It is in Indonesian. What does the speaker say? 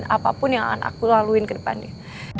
apapun yang akan aku laluin ke depannya